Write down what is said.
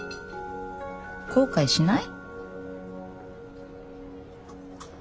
後悔しない？